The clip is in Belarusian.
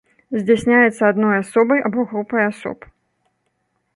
Здзяйсняецца адной асобай або групай асоб.